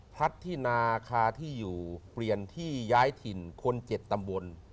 พัดที่นาคาที่อยู่เปลี่ยนที่ย้ายถิ่นคน๗ตำบล